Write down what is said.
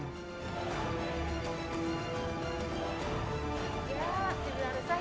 pada saat menjual roti pembawaan roti di dasar jualan dua puluh ribu rupiah